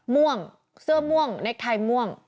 ม่วงเสื้อม่วงเน็กไทยม่วง